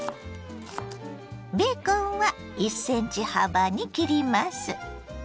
ベーコンは１ｃｍ幅に切ります。